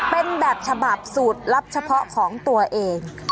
เป็นแบบฉบับสูตรลับเฉพาะของตัวเอง